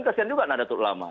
kasian juga nadatul ulama